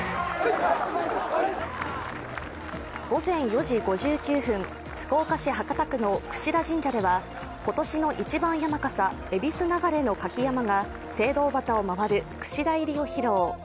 午前４時５９分福岡市博多区の櫛田神社では今年の一番山笠、恵比須流の舁き山笠が清道旗を回る櫛田入りを披露。